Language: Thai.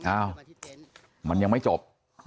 อ้าวมันยังไม่จบ